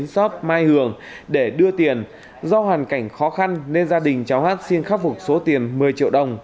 xóm mai hường để đưa tiền do hoàn cảnh khó khăn nên gia đình cháu hát xin khắc phục số tiền một mươi triệu đồng